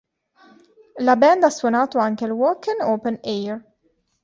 La band ha suonato anche al Wacken Open Air.